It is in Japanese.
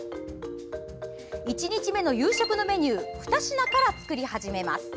１日目の夕食のメニュー２品から作り始めます。